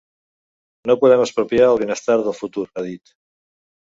No podem expropiar el benestar del futur, ha dit.